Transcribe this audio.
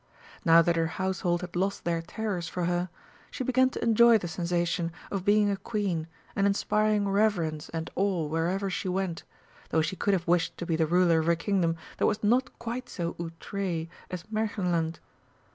Now that her household had lost their terrors for her, she began to enjoy the sensation of being a Queen and inspiring reverence and awe wherever she went, though she could have wished to be the ruler of a Kingdom that was not quite so outré as Märchenland.